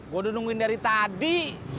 gue udah nungguin dari tadi